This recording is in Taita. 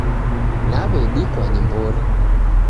Naw'edikwa ni mbori.